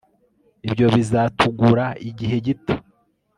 ibyo bizatugura igihe gito